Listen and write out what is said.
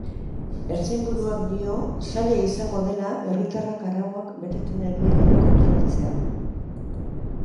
Ertzain buruak dio zaila izango dela herritarrak arauak betetzen ari direla kontrolatzea.